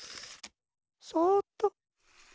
そっと。